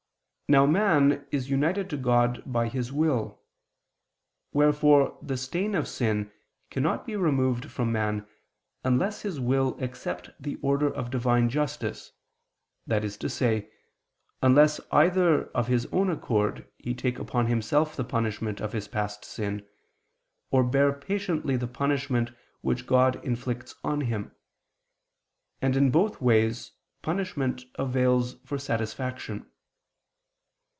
Now man is united to God by his will. Wherefore the stain of sin cannot be removed from man, unless his will accept the order of Divine justice, that is to say, unless either of his own accord he take upon himself the punishment of his past sin, or bear patiently the punishment which God inflicts on him; and in both ways punishment avails for satisfaction.